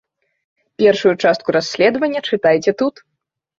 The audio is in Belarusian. Першую частку расследавання чытайце тут.